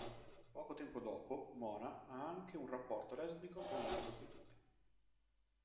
Poco tempo dopo, Mona ha anche un rapporto lesbico con una prostituta.